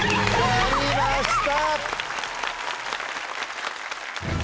やりました！